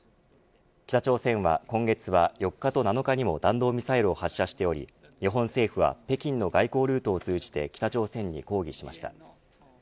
北朝鮮は今月は４日と７日にも弾道ミサイルを発射しており日本政府は北京の外交ルートを通じて北朝鮮に抗議しました。